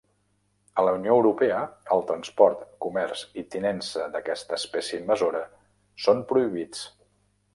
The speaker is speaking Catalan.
A la Unió Europea el transport, comerç i tinença d'aquesta espècie invasora són prohibits.